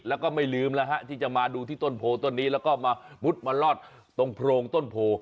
แล้วก็ไม่ลืมที่จะมาดูที่ต้นโพต้นนี้แล้วก็มามุดมารอดตรงโพ